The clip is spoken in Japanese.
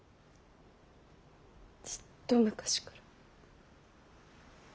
ずっと昔から。